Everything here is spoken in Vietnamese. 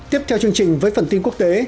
tiếp theo chương trình với phần tin quốc tế